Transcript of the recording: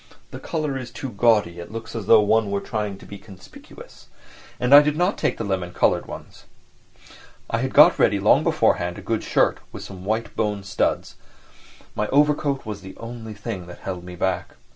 "The colour is too gaudy, it looks as though one were trying to be conspicuous," and I did not take the lemon coloured ones. I had got ready long beforehand a good shirt, with white bone studs; my overcoat was the only thing that held me back.